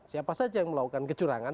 siapa saja yang melakukan kecurangan